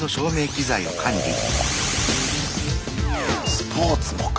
スポーツもか。